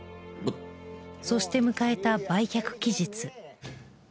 そして迎えた売却期日